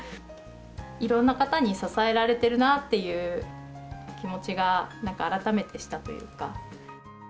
いろんな方に支えられてるなっていう気持ちが、なんか改めてしたというか。